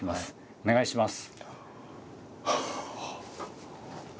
お願いします。